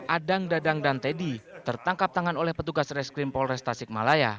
adang dadang dan teddy tertangkap tangan oleh petugas reskrim polres tasikmalaya